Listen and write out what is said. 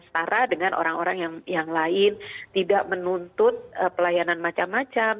setara dengan orang orang yang lain tidak menuntut pelayanan macam macam